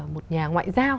một nhà ngoại giao